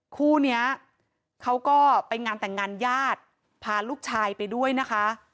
คู่นี้เขาก็ไปงานแต่งงานญาติพาลูกชายไปด้วยนะคะ